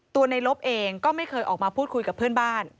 ในลบเองก็ไม่เคยออกมาพูดคุยกับเพื่อนบ้าน